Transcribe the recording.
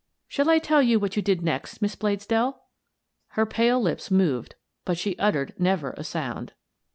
Shall I tell you what you did next, Miss Bladesdell?" Her pale lips moved, but she uttered never a sound.